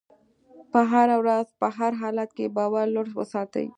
که په هره ورځ په هر حالت کې باور لوړ وساتئ.